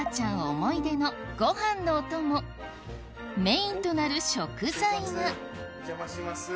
思い出のご飯のお供メインとなる食材がお邪魔します。